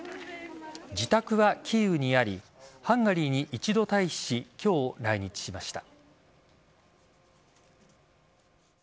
自宅はキーウにありハンガリーに一度退避し今日、来日しました。